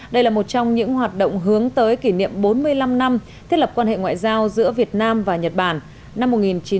đây là một trong những hoạt động hướng tới kỷ niệm bốn mươi năm năm thiết lập quan hệ ngoại giao giữa việt nam và nhật bản năm một nghìn chín trăm bảy mươi ba hai nghìn một mươi tám